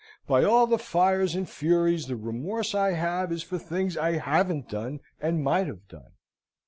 By all the fires and furies, the remorse I have is for things I haven't done and might have done!